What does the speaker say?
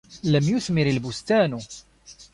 لَمْ يُثْمِرْ الْبُسْتانُ.